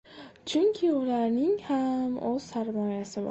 Chunki ularning ham o‘z sarmoyasi bor.